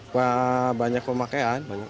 karena banyak pemakaian